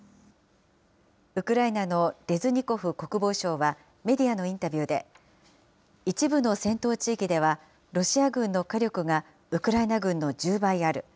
ウクライナのレズニコフ国防相はメディアのインタビューで、一部の戦闘地域では、ロシア軍の火力がウクライナ軍の１０倍ある。